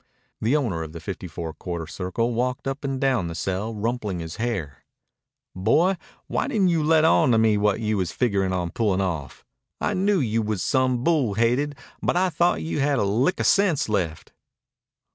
The owner of the Fifty Four Quarter Circle walked up and down the cell rumpling his hair. "Boy, why didn't you let on to me what you was figurin' on pullin' off? I knew you was some bull haided, but I thought you had a lick o' sense left."